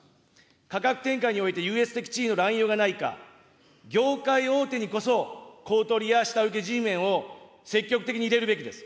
価格転嫁において優越的地位の乱用がないか、業界大手にこそ、公取や下請けＧメンを積極的に入れるべきです。